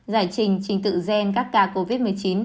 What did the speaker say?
giải trình trình tự gen các ca covid một mươi chín